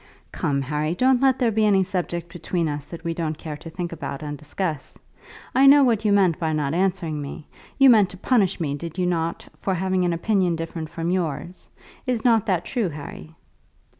"Come, Harry, don't let there be any subject between us that we don't care to think about and discuss. I know what you meant by not answering me. You meant to punish me, did you not, for having an opinion different from yours? Is not that true, Harry?"